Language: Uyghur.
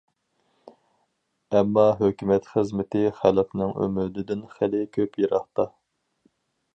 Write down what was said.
ئەمما ھۆكۈمەت خىزمىتى خەلقنىڭ ئۈمىدىدىن خېلى كۆپ يىراقتا.